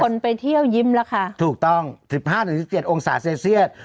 คนไปเที่ยวยิ้มแล้วค่ะถูกต้องสิบห้าถึงสิบเจ็ดองศาเซลเซียต